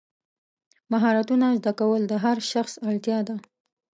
مهارتونه زده کول د هر شخص اړتیا ده.